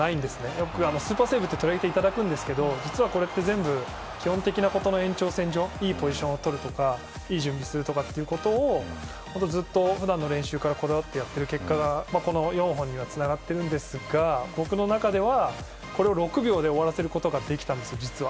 よく、スーパーセーブって取り上げていただくんですけど実はこれって全部基本的なことの延長線上いいポジションをとるとかいい準備をするとかをずっと、普段の練習からこだわってやっている結果がこの４本にはつながってるんですが僕の中ではこれを６秒で終わらせることができたんです実は。